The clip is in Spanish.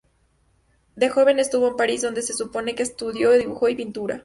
De joven estuvo en París, donde se supone que estudió dibujo y pintura.